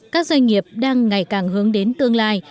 các doanh nghiệp đang ngày càng hướng đến tương lai